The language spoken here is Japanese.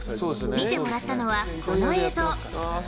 見てもらったのはこの映像。